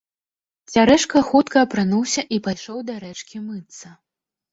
Цярэшка хутка апрануўся і пайшоў да рэчкі мыцца.